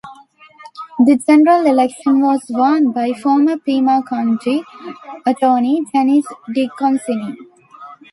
The general election was won by former Pima County Attorney Dennis DeConcini.